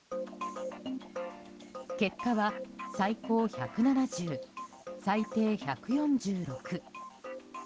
結果は最高１７０、最低１４６。